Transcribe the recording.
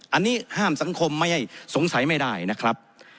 อันนี้ห้ามสังคมไม่ให้สงสัยไม่ได้นะครับ